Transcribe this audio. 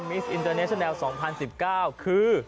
มิสอินเตอร์เนชั่นแนล๒๐๑๙คือ